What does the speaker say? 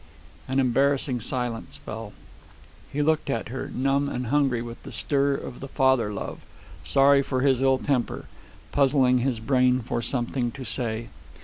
An embarrassing silence fell. He looked at her, numb and hungry with the stir of the father love, sorry for his ill temper, puzzling his brain for something to say.